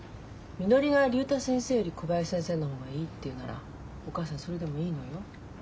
みのりが竜太先生より小林先生の方がいいっていうならお母さんそれでもいいのよ。